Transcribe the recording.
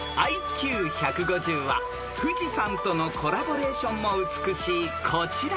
［ＩＱ１５０は富士山とのコラボレーションも美しいこちら］